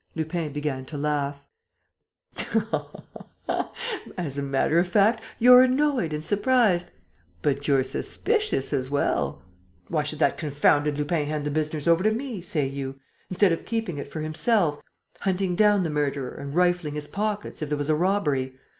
Lupin began to laugh: "As a matter of fact, you're annoyed and surprised. But you're suspicious as well: 'Why should that confounded Lupin hand the business over to me,' say you, 'instead of keeping it for himself, hunting down the murderer and rifling his pockets, if there was a robbery?'